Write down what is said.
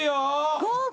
豪華。